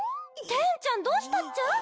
テンちゃんどうしたっちゃ？